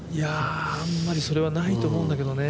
あまりそれはないと思うんだけどね。